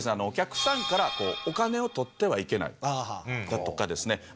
お客さんからお金を取ってはいけないだとかですね